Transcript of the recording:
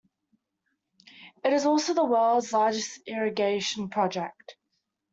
It is also the world's largest irrigation project.